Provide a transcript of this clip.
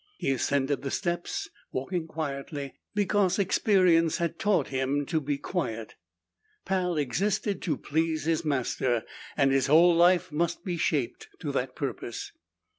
He ascended the steps, walking quietly because experience had taught him to be quiet. Pal existed to please his master and his whole life must be shaped to that purpose.